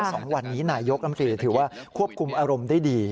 สองวันนี้นายกรมตรีถือว่าควบคุมอารมณ์ได้ดี